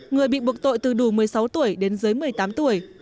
người bị buộc tội từ đủ một mươi sáu tuổi đến dưới một mươi tám tuổi